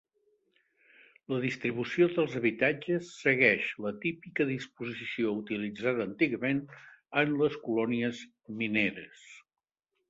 La distribució dels habitatges segueix la típica disposició utilitzada antigament en les colònies mineres.